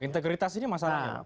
integritas ini masalahnya